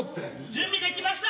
・準備出来ました！